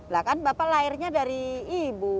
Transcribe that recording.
lah kan bapak lahirnya dari ibu